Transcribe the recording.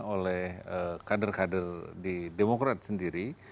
oleh kader kader di demokrat sendiri